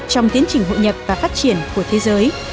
trong tiến trình hội nhập và phát triển của thế giới